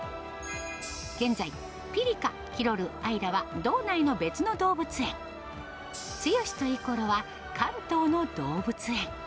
現在、ピリカ、キロル、アイラは道内の別の動物園、ツヨシとイコロは関東の動物園。